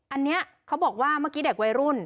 อันนี้เขาบอกว่าเมื่อกี้เด็กวัยรุ่น